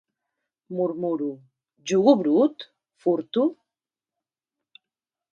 Murmuro: «jugo brut? furto?»...